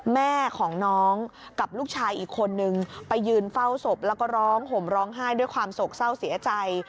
แม่ของน้องกับลูกชายอีกคนนึงไปยืนเฝ้าศพแล้วก็ร้องห่มร้องไห้ด้วยความโศกเศร้าเสียใจ